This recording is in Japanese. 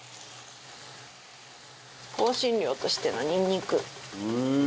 香辛料としてのニンニク。